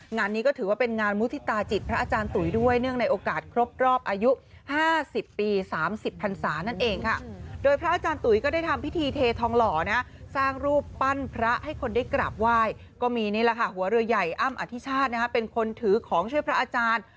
นี่แหละค่ะหัวเรือใหญ่อ้ามอธิชาติเป็นคนถือของเชื้อพระอาจารย์